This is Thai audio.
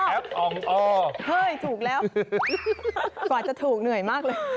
แอปอ้องอ้อแอปอ้องอ้อ